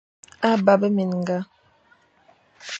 A bap minga.